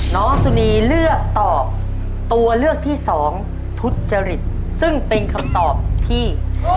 น้องสุนีเลือกตอบตัวเลือกที่สองทุจริตซึ่งเป็นคำตอบที่